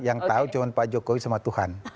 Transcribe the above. yang tahu cuma pak jokowi sama tuhan